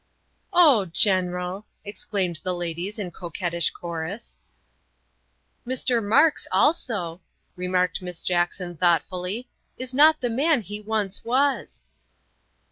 ''" Oh General!" exclaimed the ladies in coquettish chorus. " Mr. Marks also," remarked Miss Jackson thought fully, " is not the man he once was."